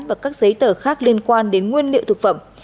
và các giấy tờ khác liên quan đến nguyên liệu thực phẩm